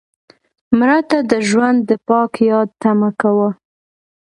مړه ته د ژوند د پاک یاد تمه کوو